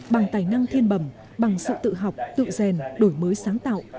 bằng tài năng thiên bẩm bằng sự tự học tự rèn đổi mới sáng tạo